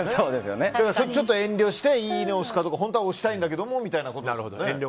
それ、ちょっと遠慮していいねを押すかどうか本当は押したいんだけどもみたいなことですよね。